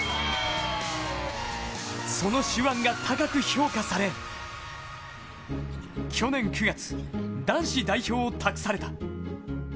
その手腕が高く評価され去年９月、男子代表を託された。